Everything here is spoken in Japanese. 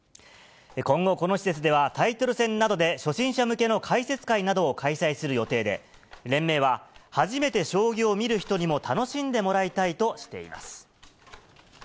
今後、この施設では、タイトル戦などで初心者向けの解説会などを開催する予定で、連盟は、初めて将棋を見る人にも楽しんでもらいたいとしています。